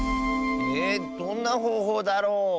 えどんなほうほうだろう？